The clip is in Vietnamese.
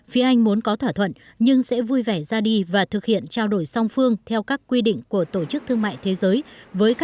phía anh muốn có thỏa thuận nhưng sẽ vui vẻ ra đi và thực hiện trao đổi song phương theo các quy định của tổ chức thương mại thế giới